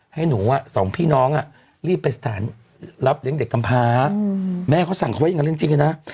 ให้หนูสองพี่น้องรีบไปสถานรับเลี้ยงเด็กกำพาแม่เขาสั่งเขาไว้อย่างนั้นจริงนะ